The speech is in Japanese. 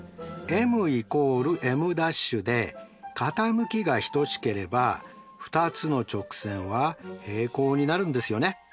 ｍ＝ｍ′で傾きが等しければ２つの直線は平行になるんですよね。